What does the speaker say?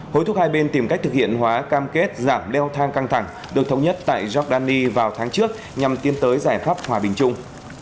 hối thúc hai bên tìm cách thực hiện hóa cam kết giảm đeo thang căng thẳng được thống nhất tại giordani vào tháng trước nhằm tiến tới giải pháp hòa bình chung